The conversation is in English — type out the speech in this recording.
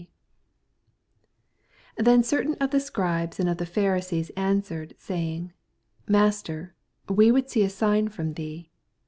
88 TheQ oerUun of the Scribes and ot the Pharieees aoBwered, saying, Master, we would see a sign from thee.